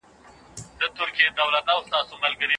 په قلم خط لیکل د علمي فقر د له منځه وړلو وسیله ده.